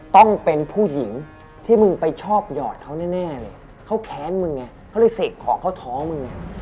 ต้องเป็นผู้หญิงที่มึงไปชอบหยอดเขาแน่เลยเขาแค้นมึงไงเขาเลยเสกของเขาท้องมึงไง